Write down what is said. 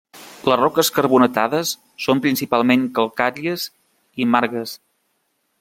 Les roques carbonatades són principalment calcàries i margues.